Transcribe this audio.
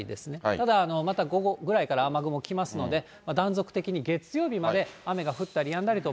ただ、また午後ぐらいから雨雲きますので、断続的に月曜日まで雨が降ったりやんだりと。